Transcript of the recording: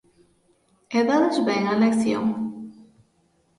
E dades ben a lección?